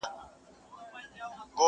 ما وې خفه یمه په زړۀ مې درد دی ،